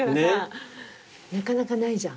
なかなかないじゃん。